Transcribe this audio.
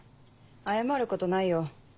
謝ることないよ。